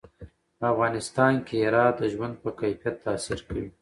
په افغانستان کې هرات د ژوند په کیفیت تاثیر کوي.